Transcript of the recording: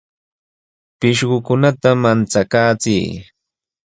Pishqukunata manchakaachiy.